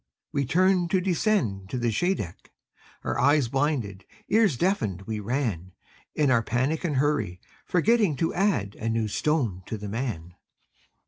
We turned to descend to the Scheideck, Eyes blinded, ears deafened, we ran, In our panic and hurry, forgetting To add a new stone to the man.